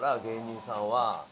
芸人さんは。